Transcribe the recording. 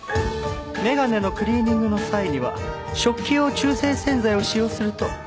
眼鏡のクリーニングの際には食器用中性洗剤を使用すると効果的です。